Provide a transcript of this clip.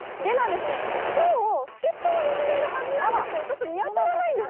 今日、助っとを呼んでいるはずなんですが見当たらないんです。